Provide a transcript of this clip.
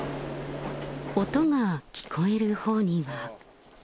音が聞こえるほうには。